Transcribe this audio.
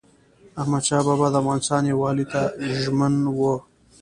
احمدشاه بابا د افغانستان یووالي ته ژمن و.